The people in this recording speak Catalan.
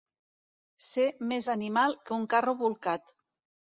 Ser més animal que un carro bolcat.